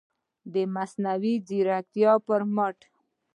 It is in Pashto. د مصنوعي ځیرکتیا پر مټ